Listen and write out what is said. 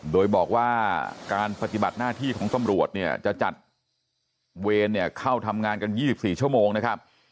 โดยบอกว่าการปฏิบัติหน้าที่ของตำรวจเนี่ยจะจัดเวรเข้าทำงานกัน๒๔ชั่วโมงนะครับ